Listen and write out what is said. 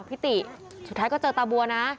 พี่ติสุดท้ายก็เจอตาบัวนะ